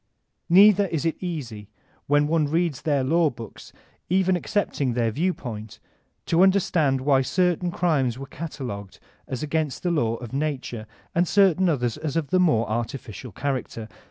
Neither is it easy when one reads their law books, even accepting their view pointy to understand why certain crimes were cata* logued as against the law of nature, and certain others as of the more artificial character.